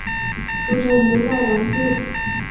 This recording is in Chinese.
出身于奈良县。